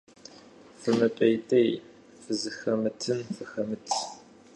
ФымыпӀейтей, фызыхэмытын фыхэмыт.